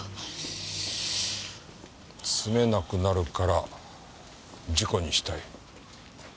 住めなくなるから事故にしたい。